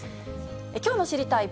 きょうの知りたいッ！